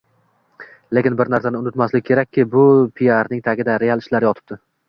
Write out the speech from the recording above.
Lekin bir narsani unutmaslik kerakki, bu piarning tagida real ishlar yotibdi